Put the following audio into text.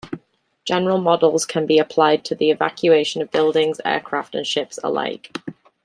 General models can be applied to the evacuation of buildings, aircraft, and ships alike.